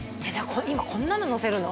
今こんなののせるの？